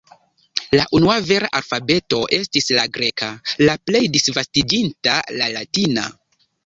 La unua vera alfabeto estis la greka, la plej disvastiĝinta la latina.